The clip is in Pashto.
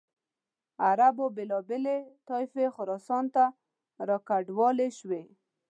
عربو بېلابېلې طایفې خراسان ته را کډوالې شوې.